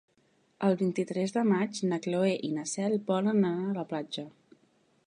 El vint-i-tres de maig na Cloè i na Cel volen anar a la platja.